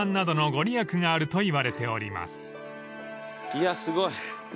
いやすごい。